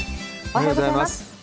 おはようございます。